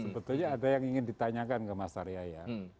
sebetulnya ada yang ingin ditanyakan ke mas arya ya